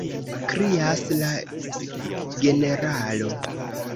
krias la generalo.